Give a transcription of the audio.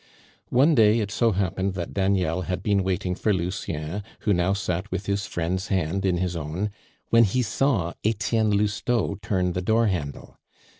One day it so happened that Daniel had been waiting for Lucien, who now sat with his friend's hand in his own, when he saw Etienne Lousteau turn the door handle.